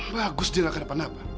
bagus dia gak kenapa napa